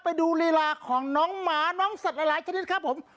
ไปดูลีลาของน้องหมาน้องสัตว์หลายชนิดครับผม